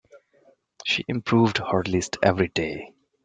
She improved her list every day.